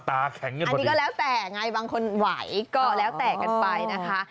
อันนี้ก็แล้วแต่ไงบางคนไหวก็แล้วแต่กันไปนะคะ